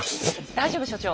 大丈夫所長。